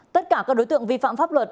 tất cả các đối tượng vi phạm pháp luật